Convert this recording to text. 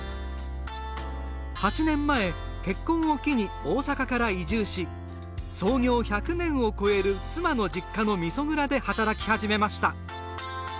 ８年前、結婚を機に大阪から移住し創業１００年を超える妻の実家のみそ蔵で働き始めました。